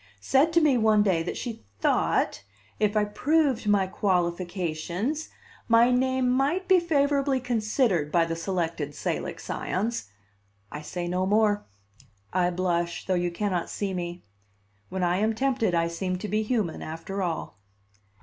said to me one day that she thought, if I proved my qualifications, my name might be favorably considered by the Selected Salic Scions I say no more; I blush, though you cannot see me; when I am tempted, I seem to be human, after all.